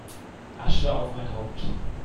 Asche auf mein Haupt!